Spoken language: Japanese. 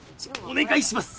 お願いします